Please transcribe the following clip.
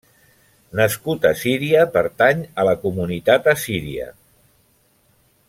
Nascut a Síria, pertany a la comunitat assíria.